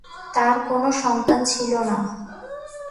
তার কোনো সন্তান ছিল না।